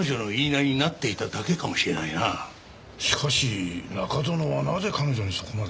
しかし中園はなぜ彼女にそこまで？